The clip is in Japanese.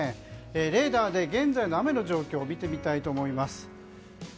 レーダーで現在の雨の状況を見てみたいと思います。